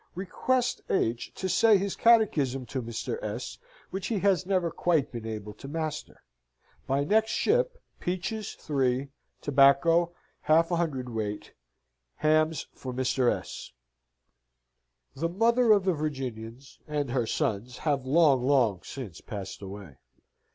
Request H. to say his catechism to Mr. S., which he has never quite been able to master. By next ship peaches (3), tobacco 1/2 cwt. Hams for Mr. S." The mother of the Virginians and her sons have long long since passed away.